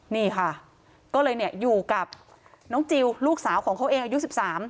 นี่ค่ะก็เลยเนี่ยอยู่กับน้องจิลลูกสาวของเขาเองอายุ๑๓